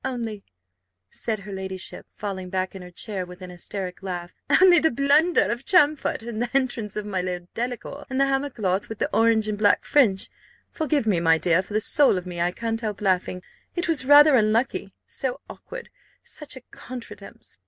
Only," said her ladyship, falling back in her chair with an hysteric laugh, "only the blunder of Champfort, and the entrance of my Lord Delacour, and the hammercloth with the orange and black fringe forgive me, my dear; for the soul of me I can't help laughing it was rather unlucky; so awkward, such a contretemps!